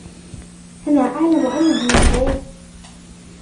أنا أعلم أنه مشغول.